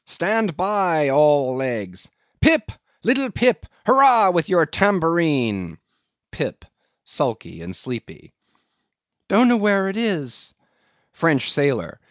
Stand by all legs! Pip! little Pip! hurrah with your tambourine! PIP. (Sulky and sleepy.) Don't know where it is. FRENCH SAILOR.